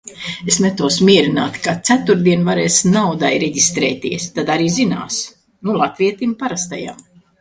Es metos mierināt, ka ceturtdien varēs naudai reģistrēties, tad arī zinās. Nu latvietim parastajam.